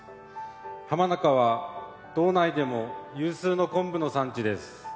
浜中は、道内でも有数のコンブの産地です。